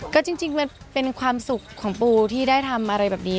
ก็จริงมันเป็นความสุขของปูที่ได้ทำอะไรแบบนี้